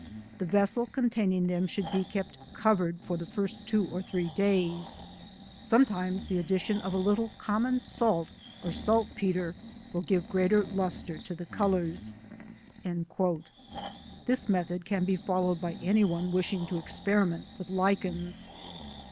The vessel containing them should be kept covered for the first 2 or 3 days. Sometimes the addition of a little common salt or salt petre will give greater lustre to the colours." This method can be followed by anyone wishing to experiment with Lichens.